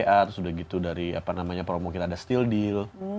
terus udah gitu dari promo kita ada steeldil